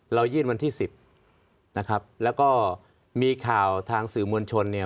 เรายื่นวันที่สิบนะครับแล้วก็มีข่าวทางสื่อมวลชนเนี่ย